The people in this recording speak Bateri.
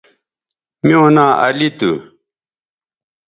میوں ناں علی تھو